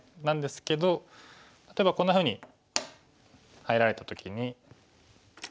なんですけど例えばこんなふうに入られた時に。